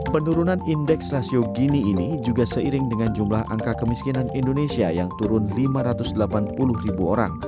penurunan indeks rasio gini ini juga seiring dengan jumlah angka kemiskinan indonesia yang turun lima ratus delapan puluh ribu orang